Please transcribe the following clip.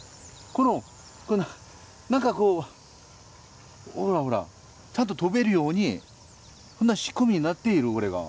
このなんかこうほらほらちゃんと飛べるようにそんな仕組みになっているこれが。